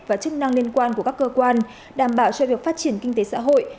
và chức năng liên quan của các cơ quan đảm bảo cho việc phát triển kinh tế xã hội